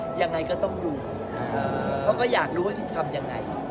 พี่บอกอย่างไหนก็จะต้องดูเขาอยากรู้ไว้พี่ทำอย่างไหน